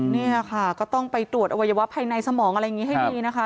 นี่ค่ะก็ต้องไปตรวจอวัยวะภายในสมองอะไรอย่างนี้ให้ดีนะคะ